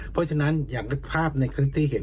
เพราะฉะนั้นอย่านึกภาพในคลิปที่เห็น